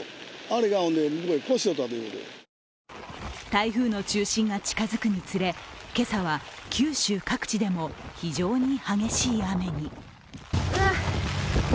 台風の中心が近づくにつれ今朝は九州各地でも非常に激しい雨に。